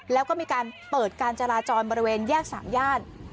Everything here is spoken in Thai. แล้วก็มีการเปิดการจราจรบริเวณแยก๓ย่าน